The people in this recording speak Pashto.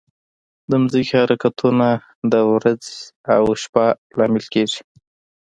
د ځمکې حرکتونه د ورځ او شپه لامل کېږي.